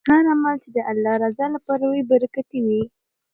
هر عمل چې د الله د رضا لپاره وي برکتي وي.